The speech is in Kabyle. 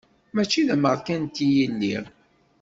Mačči d ameṛkanti i lliɣ.